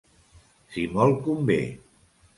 Si molt convé.